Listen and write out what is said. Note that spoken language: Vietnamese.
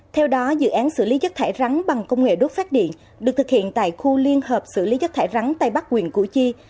theo đó dự án xử lý chất thải rắn bằng công nghệ đốt phát điện được thực hiện tại khu liên hợp xử lý chất thải rắn tây bắc quyền củ chi